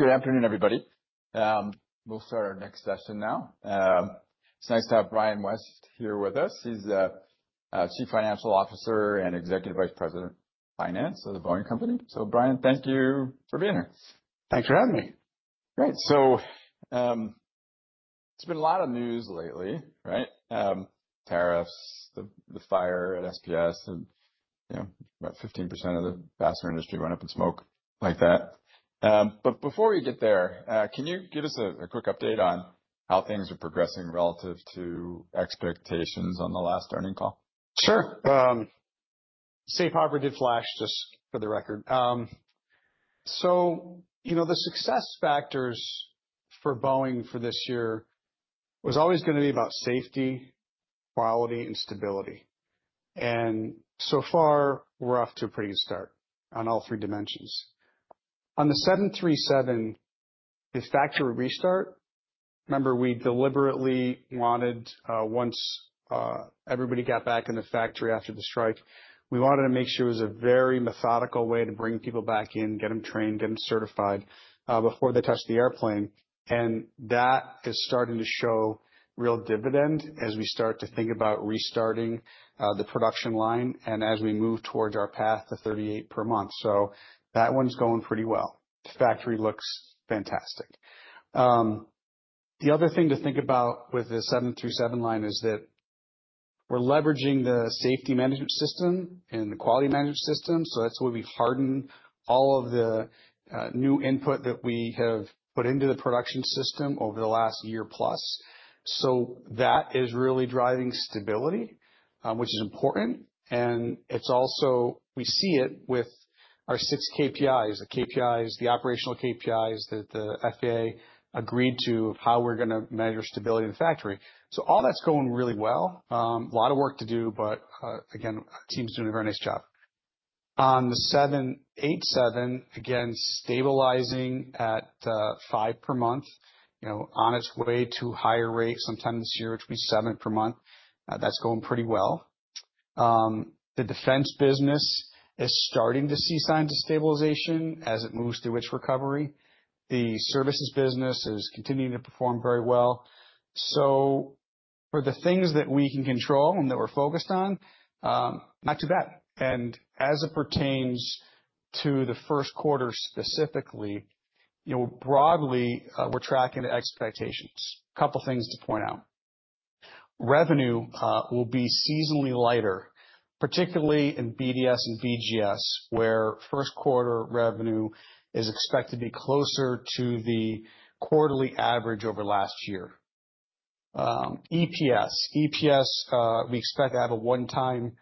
Good afternoon, everybody. We'll start our next session now. It's nice to have Brian West here with us. He's the Chief Financial Officer and Executive Vice President of Finance of The Boeing Company. Brian, thank you for being here. Thanks for having me. Great. There's been a lot of news lately, right? Tariffs, the fire at SPS, and, you know, about 15% of the fastener industry went up in smoke like that. But before we get there, can you give us a quick update on how things are progressing relative to expectations on the last earning call? Sure. Safe operative flash, just for the record. So, you know, the success factors for Boeing for this year was always going to be about safety, quality, and stability. And so far, we're off to a pretty good start on all three dimensions. On the 737, the factory restart, remember, we deliberately wanted, once everybody got back in the factory after the strike, we wanted to make sure it was a very methodical way to bring people back in, get them trained, get them certified, before they touch the airplane. And that is starting to show real dividend as we start to think about restarting the production line and as we move towards our path to 38 per month. So that one's going pretty well. The factory looks fantastic. The other thing to think about with the 737 line is that we're leveraging the Safety Management System and the Quality Management System. That is where we harden all of the new input that we have put into the production system over the last year plus. That is really driving stability, which is important. We see it with our six KPIs, the KPIs, the operational KPIs that the FAA agreed to of how we're going to measure stability in the factory. All that's going really well. A lot of work to do, but, again, teams doing a very nice job. On the 787, again, stabilizing at five per month, you know, on its way to higher rates sometime this year, which will be seven per month. That's going pretty well. The defense business is starting to see signs of stabilization as it moves through its recovery. The services business is continuing to perform very well. For the things that we can control and that we're focused on, not too bad. As it pertains to the first quarter specifically, you know, broadly, we're tracking the expectations. A couple of things to point out. Revenue will be seasonally lighter, particularly in BDS and BGS, where first quarter revenue is expected to be closer to the quarterly average over last year. EPS, EPS, we expect to have a one-time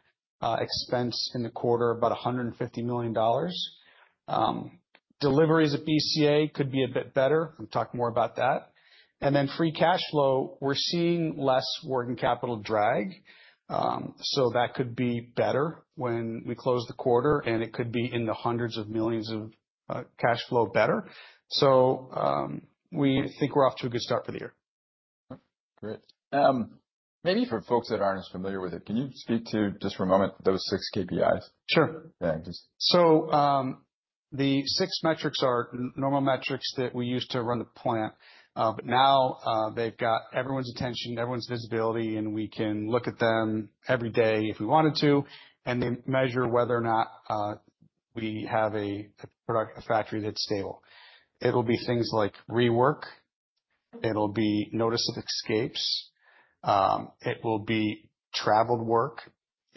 expense in the quarter of about $150 million. Deliveries at BCA could be a bit better. I'll talk more about that. Free cash flow, we're seeing less working capital drag. That could be better when we close the quarter, and it could be in the hundreds of millions of cash flow better. We think we're off to a good start for the year. Great. Maybe for folks that aren't as familiar with it, can you speak to just for a moment those six KPIs? Sure. Yeah, just. The six metrics are normal metrics that we use to run the plant. Now, they've got everyone's attention, everyone's visibility, and we can look at them every day if we wanted to, and they measure whether or not we have a product, a factory that's stable. It'll be things like rework. It'll be notice of escapes. It will be traveled work.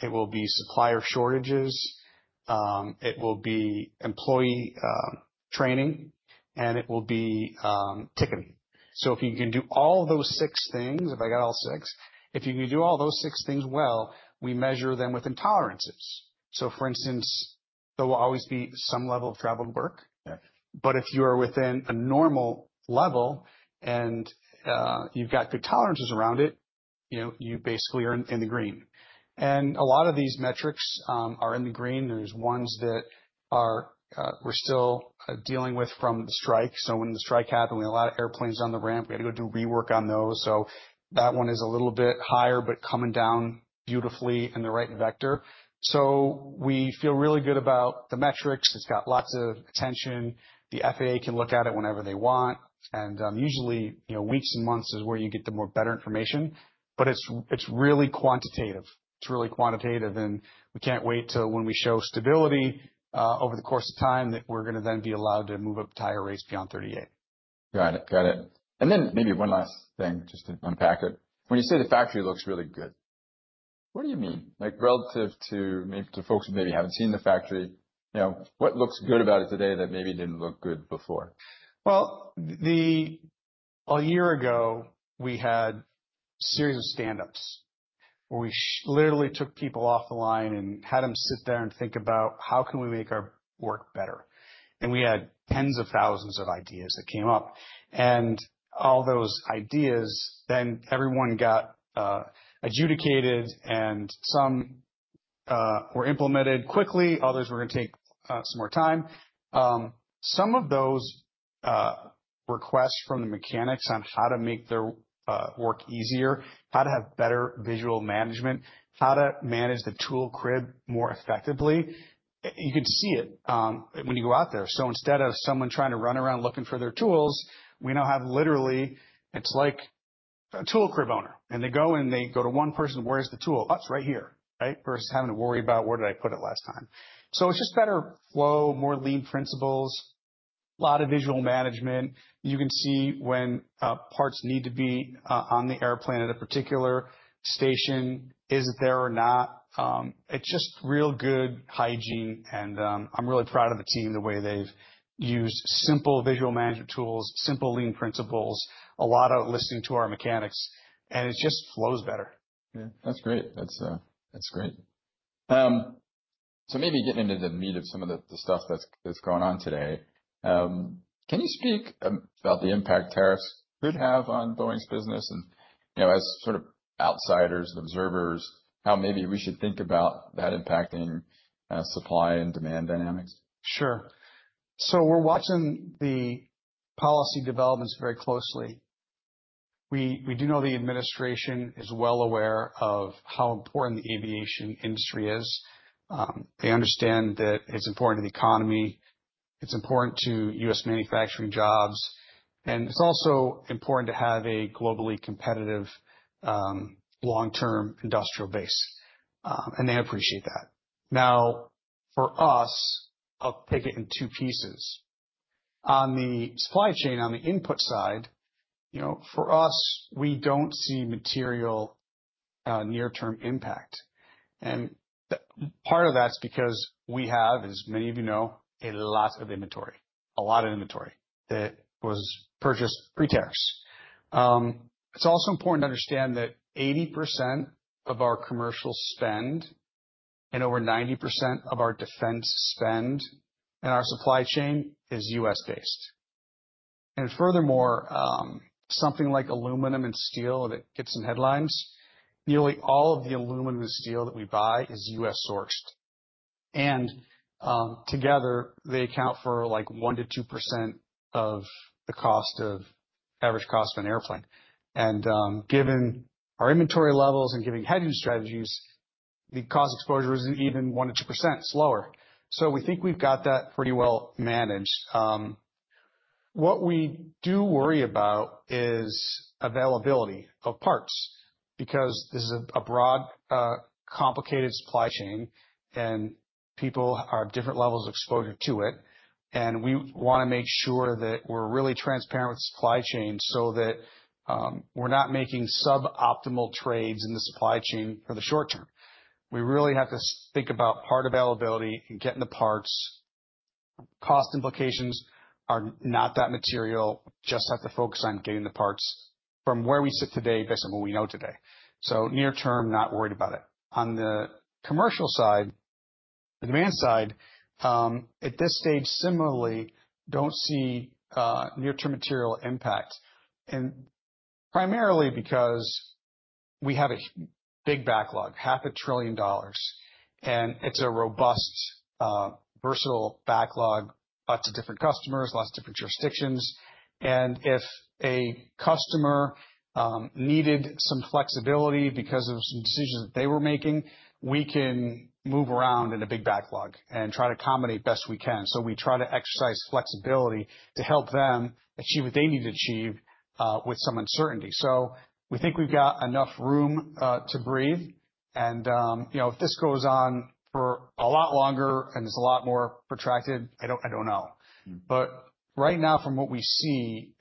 It will be supplier shortages. It will be employee training, and it will be ticketing. If you can do all those six things, if I got all six, if you can do all those six things well, we measure them within tolerances. For instance, there will always be some level of traveled work. Yeah. If you are within a normal level and you've got good tolerances around it, you know, you basically are in the green. A lot of these metrics are in the green. There's ones that are, we're still dealing with from the strike. When the strike happened, we had a lot of airplanes on the ramp. We had to go do rework on those. That one is a little bit higher, but coming down beautifully in the right vector. We feel really good about the metrics. It's got lots of attention. The FAA can look at it whenever they want. Usually, you know, weeks and months is where you get the more better information. It's really quantitative. It's really quantitative. We can't wait till when we show stability, over the course of time that we're going to then be allowed to move up to higher rates beyond 38. Got it. Got it. Maybe one last thing, just to unpack it. When you say the factory looks really good, what do you mean? Like, relative to maybe to folks who maybe haven't seen the factory, you know, what looks good about it today that maybe didn't look good before? A year ago, we had a series of stand-ups where we literally took people off the line and had them sit there and think about how can we make our work better. We had tens of thousands of ideas that came up. All those ideas, then everyone got adjudicated and some were implemented quickly. Others were going to take some more time. Some of those requests from the mechanics on how to make their work easier, how to have better visual management, how to manage the tool crib more effectively, you can see it when you go out there. Instead of someone trying to run around looking for their tools, we now have literally, it's like a tool crib owner. They go and they go to one person, where's the tool? Oh, it's right here, right? Versus having to worry about where did I put it last time. It is just better flow, more lean principles, a lot of visual management. You can see when parts need to be on the airplane at a particular station, is it there or not? It is just real good hygiene. I am really proud of the team, the way they have used simple visual management tools, simple lean principles, a lot of listening to our mechanics. It just flows better. Yeah, that's great. That's great. Maybe getting into the meat of some of the stuff that's going on today, can you speak about the impact tariffs could have on Boeing's business and, you know, as sort of outsiders and observers, how maybe we should think about that impacting supply and demand dynamics? Sure. We're watching the policy developments very closely. We do know the administration is well aware of how important the aviation industry is. They understand that it's important to the economy. It's important to U.S. manufacturing jobs. It's also important to have a globally competitive, long-term industrial base. They appreciate that. Now, for us, I'll take it in two pieces. On the supply chain, on the input side, you know, for us, we don't see material, near-term impact. Part of that's because we have, as many of you know, a lot of inventory, a lot of inventory that was purchased pre-tax. It's also important to understand that 80% of our commercial spend and over 90% of our defense spend in our supply chain is U.S. based. Furthermore, something like aluminum and steel that gets some headlines, nearly all of the aluminum and steel that we buy is U.S. sourced. Together, they account for like 1-2% of the average cost of an airplane. Given our inventory levels and hedging strategies, the cost exposure is even 1-2% lower. We think we've got that pretty well managed. What we do worry about is availability of parts because this is a broad, complicated supply chain and people are at different levels of exposure to it. We want to make sure that we're really transparent with supply chain so that we're not making suboptimal trades in the supply chain for the short term. We really have to think about part availability and getting the parts. Cost implications are not that material. Just have to focus on getting the parts from where we sit today based on what we know today. Near term, not worried about it. On the commercial side, the demand side, at this stage, similarly, don't see near-term material impact. Primarily because we have a big backlog, half a trillion dollars, and it's a robust, versatile backlog, lots of different customers, lots of different jurisdictions. If a customer needed some flexibility because of some decisions that they were making, we can move around in a big backlog and try to accommodate best we can. We try to exercise flexibility to help them achieve what they need to achieve, with some uncertainty. We think we've got enough room to breathe. You know, if this goes on for a lot longer and it's a lot more protracted, I don't, I don't know. Right now, from what we see,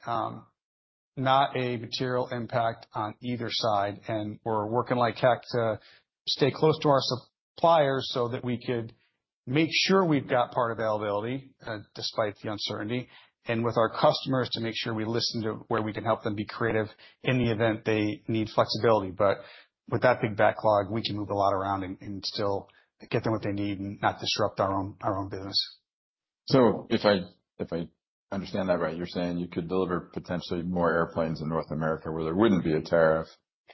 not a material impact on either side. We're working like heck to stay close to our suppliers so that we could make sure we've got part availability, despite the uncertainty, and with our customers to make sure we listen to where we can help them be creative in the event they need flexibility. With that big backlog, we can move a lot around and still get them what they need and not disrupt our own, our own business. If I understand that right, you're saying you could deliver potentially more airplanes in North America where there wouldn't be a tariff,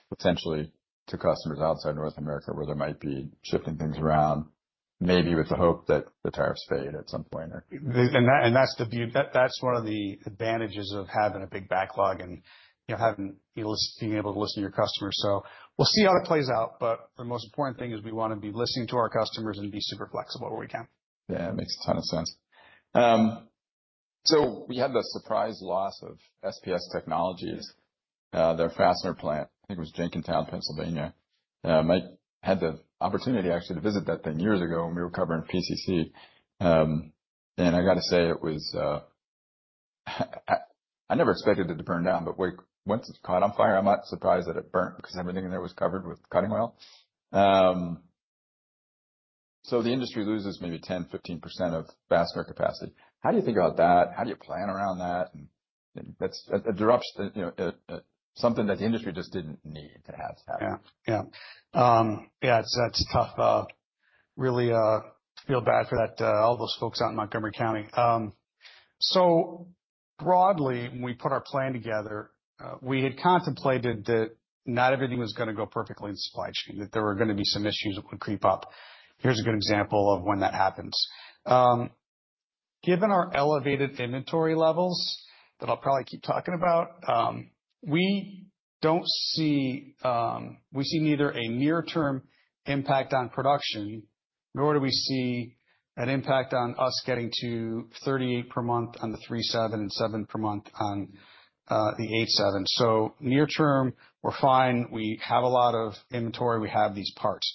potentially to customers outside North America where there might be, shifting things around, maybe with the hope that the tariffs fade at some point. That is the beauty. That is one of the advantages of having a big backlog and, you know, having, you know, being able to listen to your customers. We will see how it plays out. The most important thing is we want to be listening to our customers and be super flexible where we can. Yeah, it makes a ton of sense. We had the surprise loss of SPS Technologies, their fastener plant, I think it was Jenkintown, Pennsylvania. Mike had the opportunity actually to visit that thing years ago when we were covering PCC. I got to say it was, I never expected it to burn down, but when it caught on fire, I'm not surprised that it burnt because everything in there was covered with cutting oil. The industry loses maybe 10-15% of fastener capacity. How do you think about that? How do you plan around that? That's a disruption, you know, something that the industry just didn't need to have to happen. Yeah. Yeah. Yeah, it's, that's tough, really, feel bad for that, all those folks out in Montgomery County. So broadly, when we put our plan together, we had contemplated that not everything was going to go perfectly in the supply chain, that there were going to be some issues that would creep up. Here's a good example of when that happens. Given our elevated inventory levels that I'll probably keep talking about, we don't see, we see neither a near-term impact on production, nor do we see an impact on us getting to 38 per month on the 737 and 7 per month on the 787. So near term, we're fine. We have a lot of inventory. We have these parts.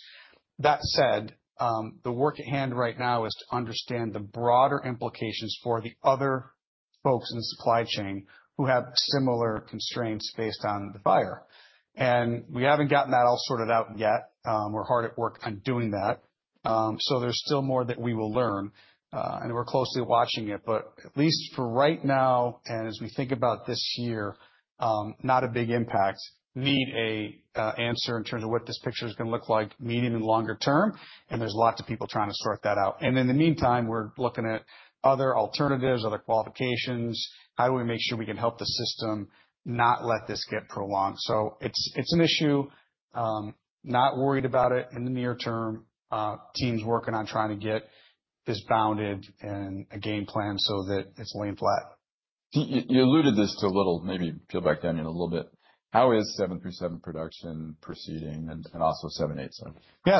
That said, the work at hand right now is to understand the broader implications for the other folks in the supply chain who have similar constraints based on the fire. We haven't gotten that all sorted out yet. We're hard at work on doing that. There is still more that we will learn, and we're closely watching it, but at least for right now, and as we think about this year, not a big impact. Need an answer in terms of what this picture is going to look like, medium and longer term. There are lots of people trying to sort that out. In the meantime, we're looking at other alternatives, other qualifications. How do we make sure we can help the system not let this get prolonged? It is an issue, not worried about it in the near term. team's working on trying to get this bounded and a game plan so that it's laying flat. You alluded to this a little, maybe peel back down in a little bit. How is 737 production proceeding and also 787? Yeah.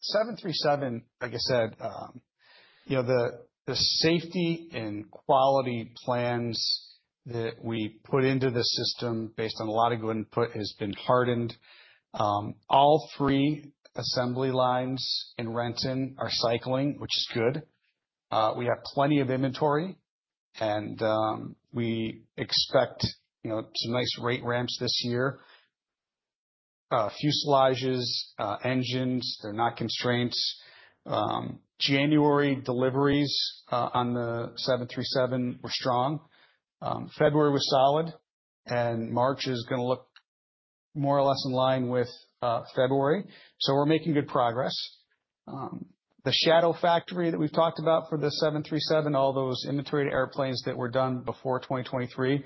737, like I said, you know, the safety and quality plans that we put into the system based on a lot of good input has been hardened. All three assembly lines in Renton are cycling, which is good. We have plenty of inventory and we expect, you know, some nice rate ramps this year. Fuselages, engines, they're not constrained. January deliveries on the 737 were strong. February was solid and March is going to look more or less in line with February. So we're making good progress. The shadow factory that we've talked about for the 737, all those inventory airplanes that were done before 2023,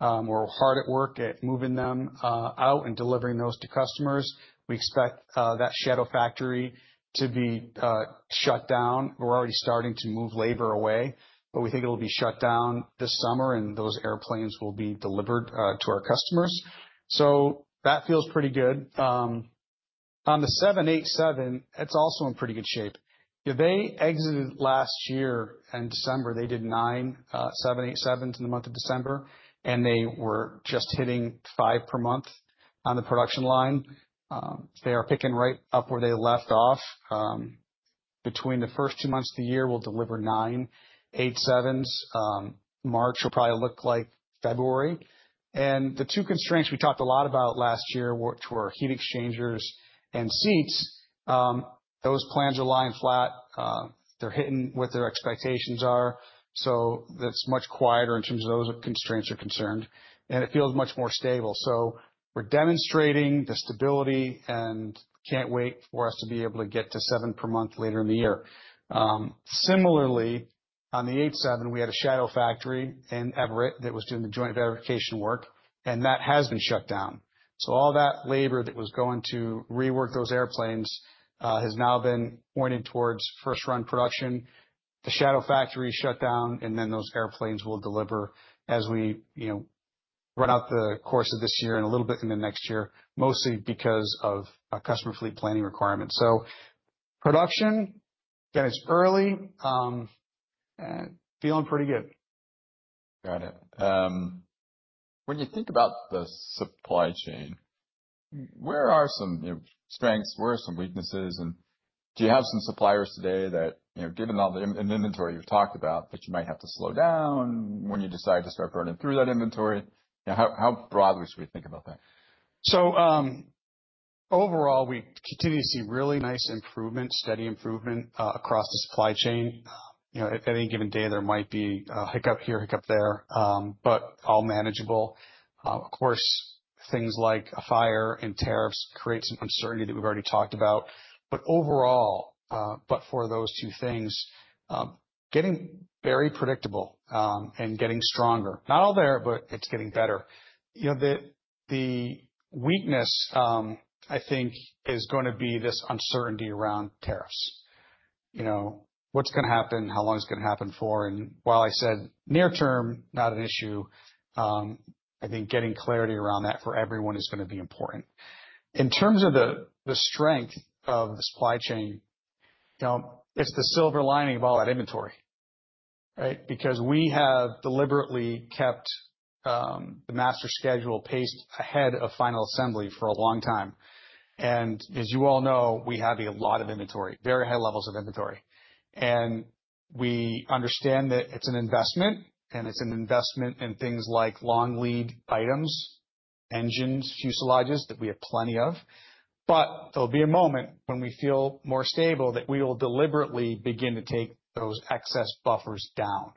we're hard at work at moving them out and delivering those to customers. We expect that shadow factory to be shut down. We're already starting to move labor away, but we think it'll be shut down this summer and those airplanes will be delivered to our customers. That feels pretty good. On the 787, it's also in pretty good shape. They exited last year in December. They did nine 787s in the month of December, and they were just hitting five per month on the production line. They are picking right up where they left off. Between the first two months of the year, we'll deliver nine 787s. March will probably look like February. The two constraints we talked a lot about last year, which were heat exchangers and seats, those plans are lying flat. They're hitting what their expectations are. That is much quieter in terms of those constraints are concerned. It feels much more stable. We're demonstrating the stability and can't wait for us to be able to get to seven per month later in the year. Similarly, on the 787, we had a shadow factory in Everett that was doing the joint verification work, and that has been shut down. All that labor that was going to rework those airplanes has now been pointed towards first run production. The shadow factory shut down, and then those airplanes will deliver as we, you know, run out the course of this year and a little bit in the next year, mostly because of our customer fleet planning requirements. Production, again, it's early, and feeling pretty good. Got it. When you think about the supply chain, where are some, you know, strengths? Where are some weaknesses? And do you have some suppliers today that, you know, given all the inventory you've talked about, that you might have to slow down when you decide to start burning through that inventory? You know, how broadly should we think about that? Overall, we continue to see really nice improvement, steady improvement, across the supply chain. You know, at any given day, there might be a hiccup here, hiccup there, but all manageable. Of course, things like a fire and tariffs create some uncertainty that we've already talked about. Overall, but for those two things, getting very predictable, and getting stronger, not all there, but it's getting better. You know, the weakness, I think is going to be this uncertainty around tariffs. You know, what's going to happen, how long it's going to happen for. And while I said near term, not an issue, I think getting clarity around that for everyone is going to be important. In terms of the strength of the supply chain, you know, it's the silver lining of all that inventory, right? Because we have deliberately kept the master schedule paced ahead of final assembly for a long time. As you all know, we have a lot of inventory, very high levels of inventory. We understand that it's an investment, and it's an investment in things like long lead items, engines, fuselages that we have plenty of. There will be a moment when we feel more stable that we will deliberately begin to take those excess buffers down.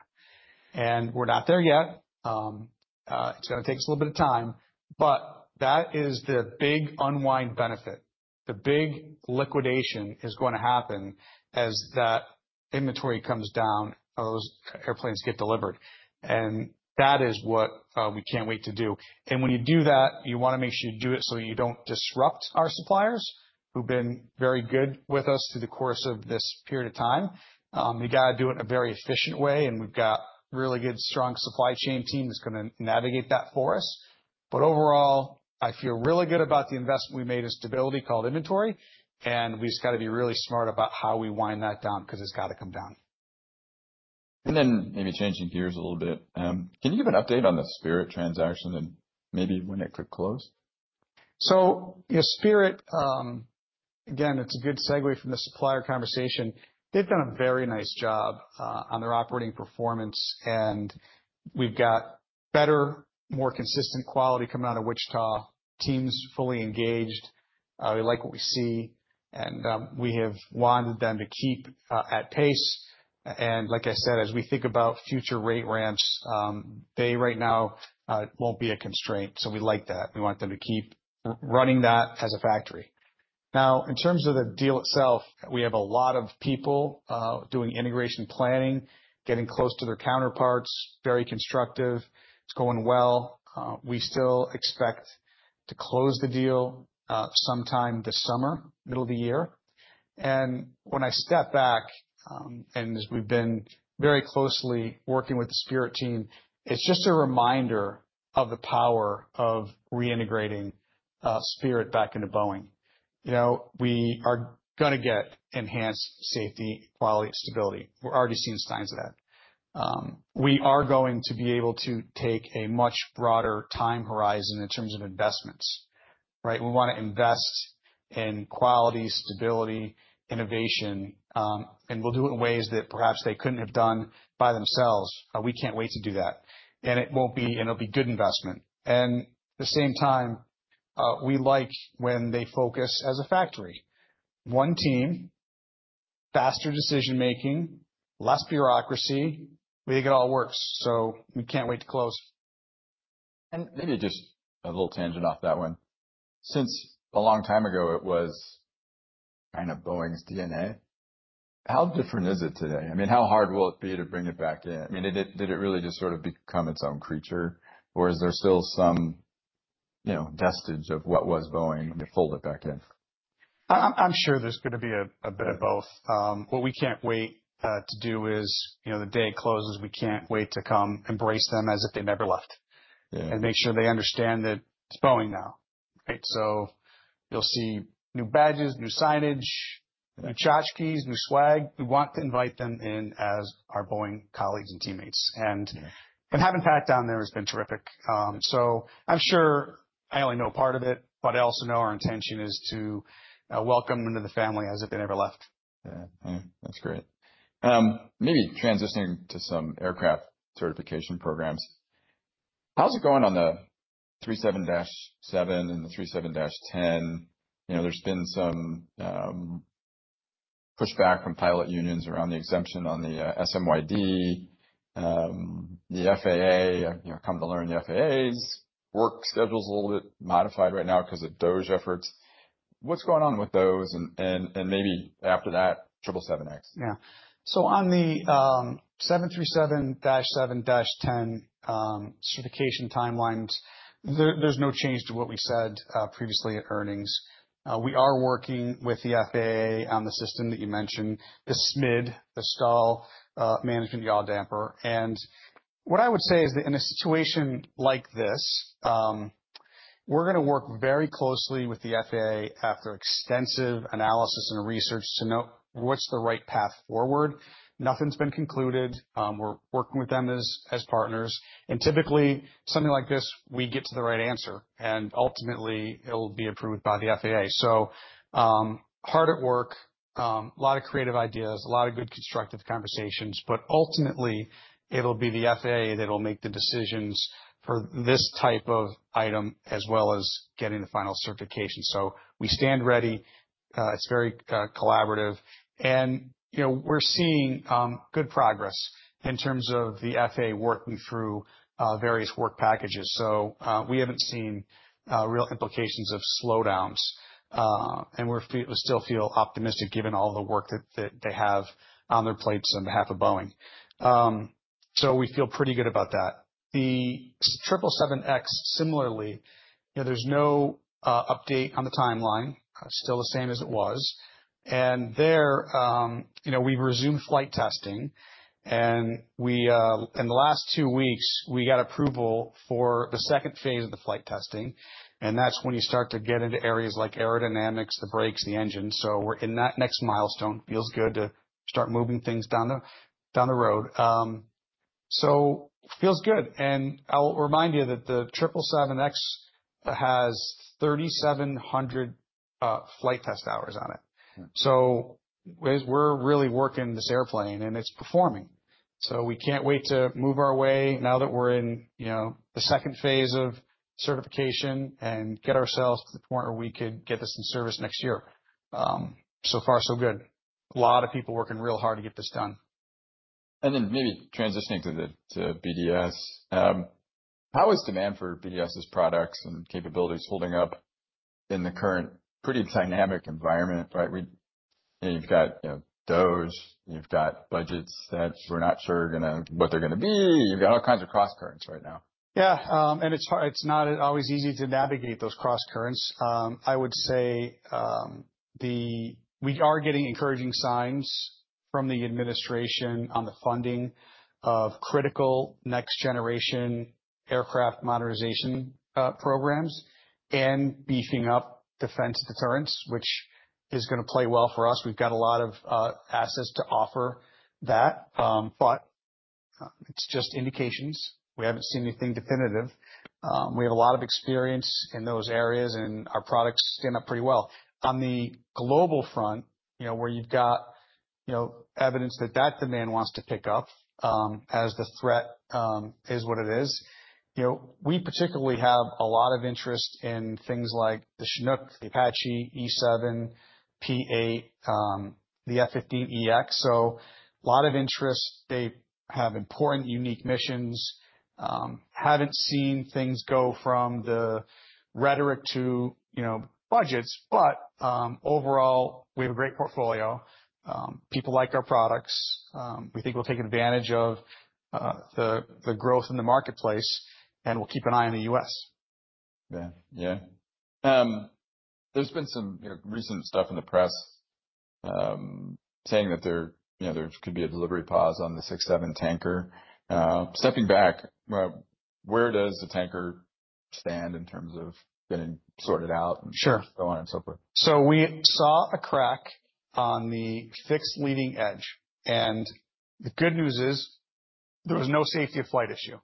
We're not there yet. It's going to take us a little bit of time, but that is the big unwind benefit. The big liquidation is going to happen as that inventory comes down, those airplanes get delivered. That is what we can't wait to do. When you do that, you want to make sure you do it so you don't disrupt our suppliers who've been very good with us through the course of this period of time. You got to do it in a very efficient way. We've got a really good, strong supply chain team that's going to navigate that for us. Overall, I feel really good about the investment we made in stability called inventory. We just got to be really smart about how we wind that down because it's got to come down. Maybe changing gears a little bit, can you give an update on the Spirit transaction and maybe when it could close? You know, Spirit, again, it's a good segue from the supplier conversation. They've done a very nice job on their operating performance. We've got better, more consistent quality coming out of Wichita. Teams fully engaged. We like what we see. We have wanted them to keep at pace. Like I said, as we think about future rate ramps, they right now won't be a constraint. We like that. We want them to keep running that as a factory. In terms of the deal itself, we have a lot of people doing integration planning, getting close to their counterparts, very constructive. It's going well. We still expect to close the deal sometime this summer, middle of the year. When I step back, and as we've been very closely working with the Spirit team, it's just a reminder of the power of reintegrating Spirit back into Boeing. You know, we are going to get enhanced safety, quality, and stability. We're already seeing signs of that. We are going to be able to take a much broader time horizon in terms of investments, right? We want to invest in quality, stability, innovation, and we'll do it in ways that perhaps they couldn't have done by themselves. We can't wait to do that. It won't be, and it'll be good investment. At the same time, we like when they focus as a factory. One team, faster decision making, less bureaucracy, we think it all works. We can't wait to close. Maybe just a little tangent off that one. Since a long time ago, it was kind of Boeing's DNA. How different is it today? I mean, how hard will it be to bring it back in? I mean, did it really just sort of become its own creature? Or is there still some, you know, vestige of what was Boeing to fold it back in? I'm sure there's going to be a bit of both. What we can't wait to do is, you know, the day it closes, we can't wait to come embrace them as if they never left. Yeah, and make sure they understand that it's Boeing now, right? You'll see new badges, new signage, new tchotchkes, new swag. We want to invite them in as our Boeing colleagues and teammates. Having Pat down there has been terrific. I'm sure I only know part of it, but I also know our intention is to welcome into the family as if they never left. Yeah. Yeah. That's great. Maybe transitioning to some aircraft certification programs. How's it going on the 737-7 and the 737-10? You know, there's been some pushback from pilot unions around the exemption on the SMYD, the FAA, you know, come to learn the FAA's work schedule is a little bit modified right now because of DOGE efforts. What's going on with those and, and maybe after that 777X? Yeah. On the 737-7-10 certification timelines, there's no change to what we said previously at earnings. We are working with the FAA on the system that you mentioned, the SMYD, the stall management yaw damper. What I would say is that in a situation like this, we're going to work very closely with the FAA after extensive analysis and research to know what's the right path forward. Nothing's been concluded. We're working with them as partners. Typically something like this, we get to the right answer and ultimately it'll be approved by the FAA. Hard at work, a lot of creative ideas, a lot of good constructive conversations, but ultimately it'll be the FAA that'll make the decisions for this type of item as well as getting the final certification. We stand ready. It's very collaborative. You know, we're seeing good progress in terms of the FAA working through various work packages. We haven't seen real implications of slowdowns, and we still feel optimistic given all the work that they have on their plates on behalf of Boeing. We feel pretty good about that. The 777X, similarly, there's no update on the timeline, still the same as it was. We've resumed flight testing and in the last two weeks, we got approval for the second phase of the flight testing. That's when you start to get into areas like aerodynamics, the brakes, the engine. We're in that next milestone. Feels good to start moving things down the road. Feels good. I'll remind you that the 777X has 3,700 flight test hours on it. We're really working this airplane and it's performing. We can't wait to move our way now that we're in, you know, the second phase of certification and get ourselves to the point where we could get this in service next year. So far, so good. A lot of people working real hard to get this done. Maybe transitioning to the, to BDS, how is demand for BDS's products and capabilities holding up in the current pretty dynamic environment, right? We, you know, you've got, you know, DOGE, you've got budgets that we're not sure are going to, what they're going to be. You've got all kinds of cross currents right now. Yeah. It's hard, it's not always easy to navigate those cross currents. I would say we are getting encouraging signs from the administration on the funding of critical next generation aircraft modernization programs and beefing up defense deterrence, which is going to play well for us. We've got a lot of assets to offer that. It's just indications. We haven't seen anything definitive. We have a lot of experience in those areas and our products stand up pretty well. On the global front, you know, where you've got, you know, evidence that that demand wants to pick up, as the threat is what it is. You know, we particularly have a lot of interest in things like the Chinook, the Apache, E-7, P-8, the F-15EX. A lot of interest. They have important, unique missions. haven't seen things go from the rhetoric to, you know, budgets, but overall, we have a great portfolio. People like our products. We think we'll take advantage of the growth in the marketplace and we'll keep an eye on the U.S. Yeah. Yeah. There's been some, you know, recent stuff in the press, saying that there, you know, there could be a delivery pause on the 767 tanker. Stepping back, where does the tanker stand in terms of getting sorted out and so on and so forth? Sure. We saw a crack on the fixed leading edge. The good news is there was no safety of flight issue.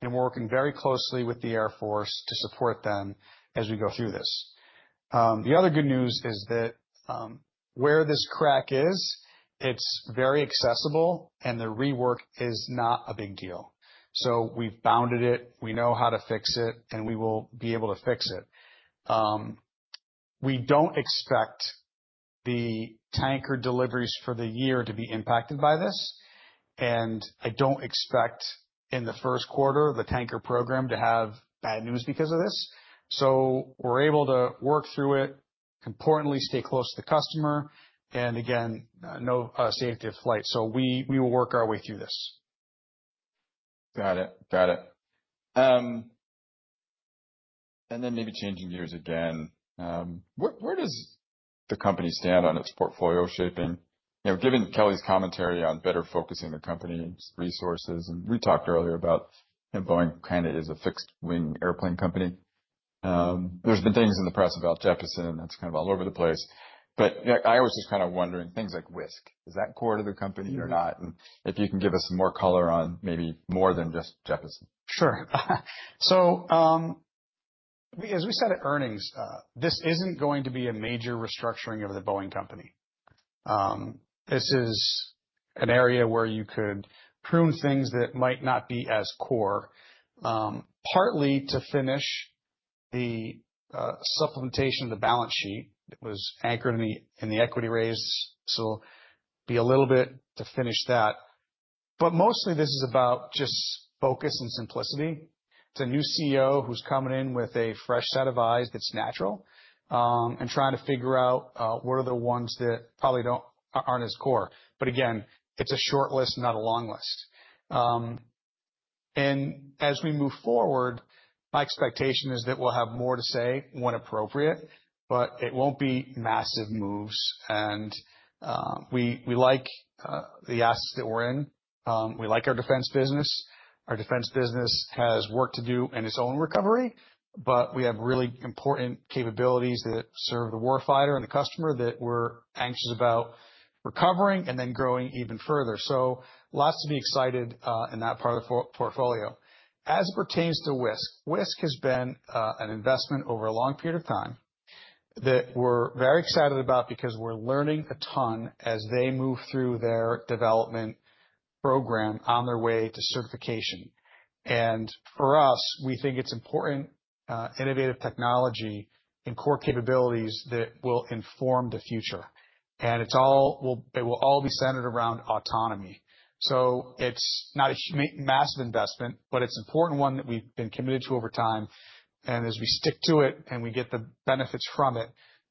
We are working very closely with the Air Force to support them as we go through this. The other good news is that where this crack is, it is very accessible and the rework is not a big deal. We have bounded it. We know how to fix it and we will be able to fix it. We do not expect the tanker deliveries for the year to be impacted by this. I do not expect in the first quarter the tanker program to have bad news because of this. We are able to work through it, importantly stay close to the customer. Again, no safety of flight. We will work our way through this. Got it. Got it. And then maybe changing gears again, where does the company stand on its portfolio shaping? You know, given Kelly's commentary on better focusing the company's resources, and we talked earlier about, you know, Boeing kind of is a fixed wing airplane company. There's been things in the press about Jeppesen and that's kind of all over the place. I was just kind of wondering, things like Wisk, is that core to the company or not? And if you can give us some more color on maybe more than just Jeppesen. Sure. As we said at earnings, this is not going to be a major restructuring of The Boeing Company. This is an area where you could prune things that might not be as core, partly to finish the supplementation of the balance sheet that was anchored in the equity raise. Be a little bit to finish that. Mostly, this is about just focus and simplicity. It's a new CEO who is coming in with a fresh set of eyes, that's natural, and trying to figure out what are the ones that probably are not as core. Again, it's a short list, not a long list. As we move forward, my expectation is that we will have more to say when appropriate, but it will not be massive moves. We like the assets that we are in. We like our defense business. Our defense business has work to do in its own recovery, but we have really important capabilities that serve the warfighter and the customer that we're anxious about recovering and then growing even further. Lots to be excited, in that part of the portfolio. As it pertains to Wisk, Wisk has been an investment over a long period of time that we're very excited about because we're learning a ton as they move through their development program on their way to certification. For us, we think it's important, innovative technology and core capabilities that will inform the future. It's all, it will all be centered around autonomy. It's not a massive investment, but it's an important one that we've been committed to over time. As we stick to it and we get the benefits from it,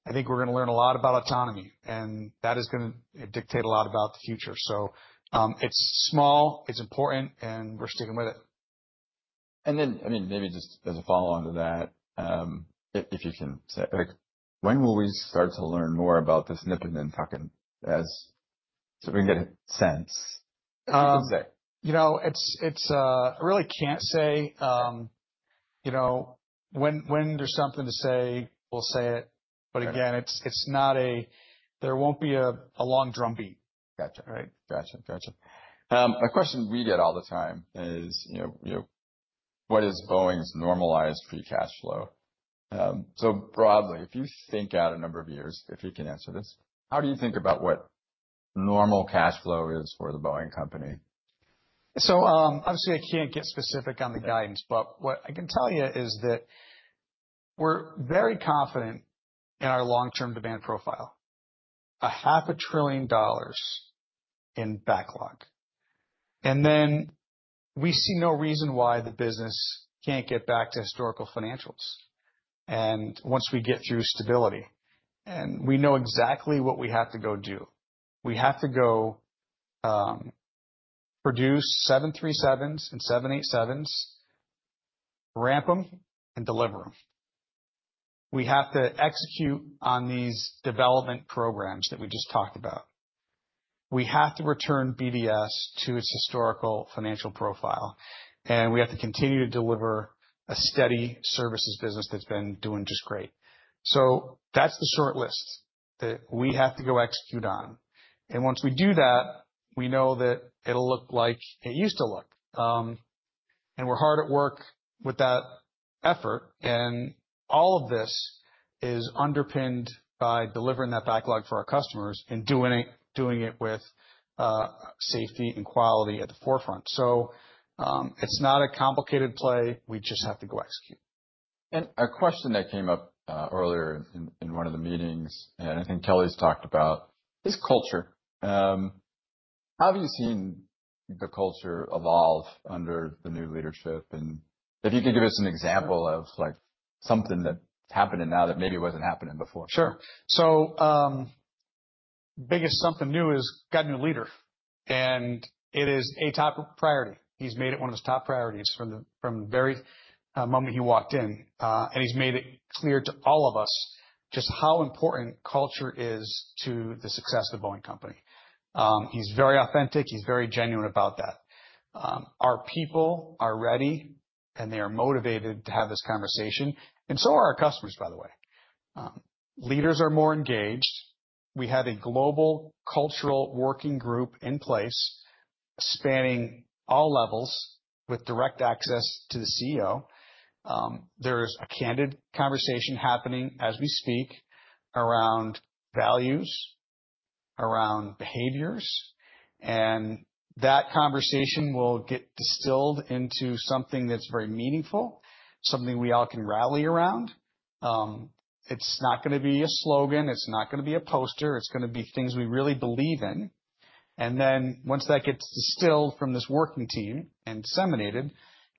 I think we're going to learn a lot about autonomy and that is going to dictate a lot about the future. It's small, it's important, and we're sticking with it. I mean, maybe just as a follow-on to that, if you can say, like, when will we start to learn more about this Nippon and Tuck-In as, so we can get a sense, what you can say? You know, it's, it's, I really can't say. You know, when, when there's something to say, we'll say it. It's, it's not a, there won't be a, a long drumbeat. Gotcha. Right. Gotcha. Gotcha. A question we get all the time is, you know, you know, what is Boeing's normalized free cash flow? So broadly, if you think out a number of years, if you can answer this, how do you think about what normal cash flow is for The Boeing Company? Obviously I can't get specific on the guidance, but what I can tell you is that we're very confident in our long-term demand profile, a half a trillion dollars in backlog. We see no reason why the business can't get back to historical financials. Once we get through stability and we know exactly what we have to go do, we have to go produce 737s and 787s, ramp them and deliver them. We have to execute on these development programs that we just talked about. We have to return BDS to its historical financial profile. We have to continue to deliver a steady services business that's been doing just great. That's the short list that we have to go execute on. Once we do that, we know that it'll look like it used to look, and we're hard at work with that effort. All of this is underpinned by delivering that backlog for our customers and doing it, doing it with safety and quality at the forefront. It's not a complicated play. We just have to go execute. A question that came up earlier in one of the meetings, and I think Kelly's talked about, is culture. How have you seen the culture evolve under the new leadership? And if you could give us an example of something that's happening now that maybe wasn't happening before. Sure. The biggest something new is got a new leader. It is a top priority. He's made it one of his top priorities from the very moment he walked in. He's made it clear to all of us just how important culture is to the success of the Boeing company. He's very authentic. He's very genuine about that. Our people are ready and they are motivated to have this conversation. So are our customers, by the way. Leaders are more engaged. We have a global cultural working group in place spanning all levels with direct access to the CEO. There is a candid conversation happening as we speak around values, around behaviors. That conversation will get distilled into something that's very meaningful, something we all can rally around. It's not going to be a slogan. It's not going to be a poster. It's going to be things we really believe in. Once that gets distilled from this working team and disseminated,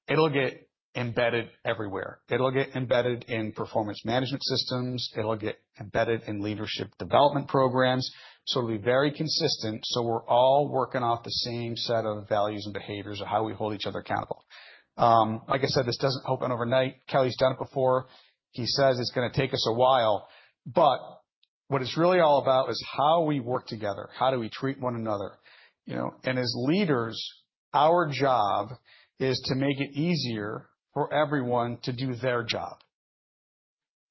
it'll get embedded everywhere. It'll get embedded in performance management systems. It'll get embedded in leadership development programs. It will be very consistent. We're all working off the same set of values and behaviors of how we hold each other accountable. Like I said, this doesn't open overnight. Kelly's done it before. He says it's going to take us a while, but what it's really all about is how we work together, how do we treat one another, you know, and as leaders, our job is to make it easier for everyone to do their job.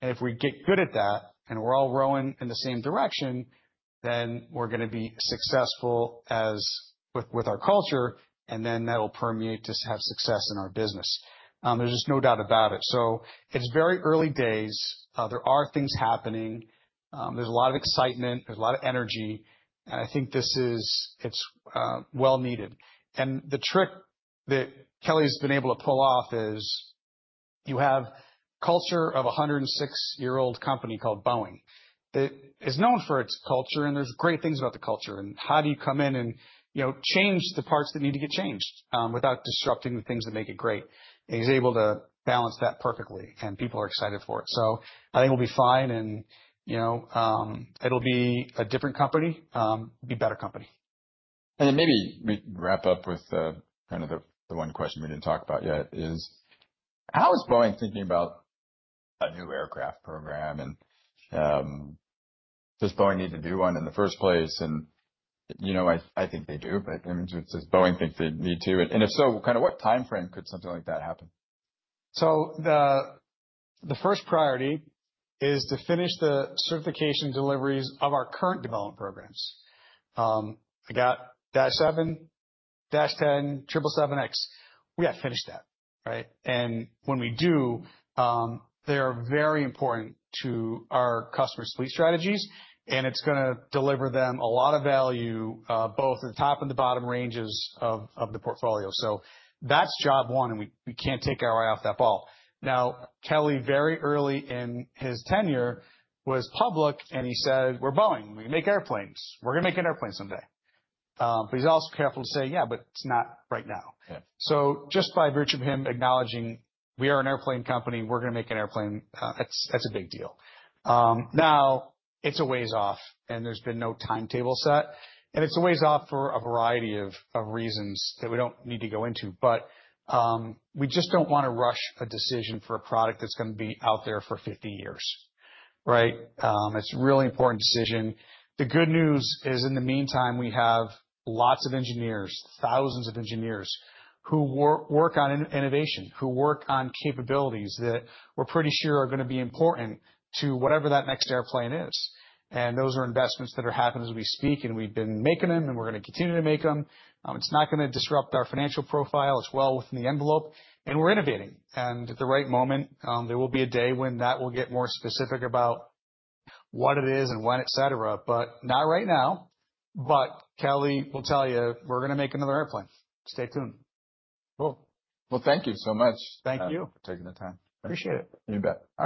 If we get good at that and we're all rowing in the same direction, we're going to be successful with our culture. That will permeate to have success in our business. There is just no doubt about it. It is very early days. There are things happening. There is a lot of excitement. There is a lot of energy. I think this is well needed. The trick that Kelly has been able to pull off is you have a culture of a 106-year-old company called Boeing that is known for its culture. There are great things about the culture. How do you come in and, you know, change the parts that need to get changed, without disrupting the things that make it great? He is able to balance that perfectly. People are excited for it. I think we will be fine. You know, it will be a different company, be a better company. Maybe we wrap up with, kind of the one question we didn't talk about yet is how is Boeing thinking about a new aircraft program? Does Boeing need to do one in the first place? You know, I think they do, but I mean, does Boeing think they need to? If so, kind of what timeframe could something like that happen? The first priority is to finish the certification deliveries of our current development programs. I got Dash 7, Dash 10, 777X. We got to finish that, right? When we do, they are very important to our customer's fleet strategies. It is going to deliver them a lot of value, both at the top and the bottom ranges of the portfolio. That is job one. We cannot take our eye off that ball. Now, Kelly, very early in his tenure was public and he said, we are Boeing. We are going to make airplanes. We are going to make an airplane someday. He is also careful to say, yeah, but it is not right now. Just by virtue of him acknowledging we are an airplane company, we are going to make an airplane, that is a big deal. Now it's a ways off and there's been no timetable set. It's a ways off for a variety of reasons that we don't need to go into. We just don't want to rush a decision for a product that's going to be out there for 50 years, right? It's a really important decision. The good news is in the meantime, we have lots of engineers, thousands of engineers who work on innovation, who work on capabilities that we're pretty sure are going to be important to whatever that next airplane is. Those are investments that are happening as we speak. We've been making them and we're going to continue to make them. It's not going to disrupt our financial profile. It's well within the envelope. We're innovating. At the right moment, there will be a day when that will get more specific about what it is and when, et cetera. Not right now. Kelly will tell you, we're going to make another airplane. Stay tuned. Cool. Thank you so much. Thank you. For taking the time. Appreciate it. You bet.